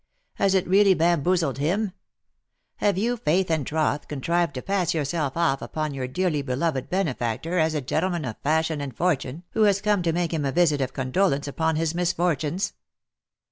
Has it really bamboozled him ? Have you, faith and troth, contrived to pass yourself ofT upon your dearly beloved benefactor as a gentleman of fashion and fortune who was come to make him a visit of condolence upon his misfortunes